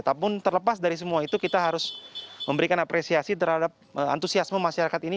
tapi terlepas dari semua itu kita harus memberikan apresiasi terhadap antusiasme masyarakat ini